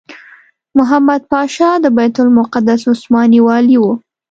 محمد پاشا د بیت المقدس عثماني والي وو.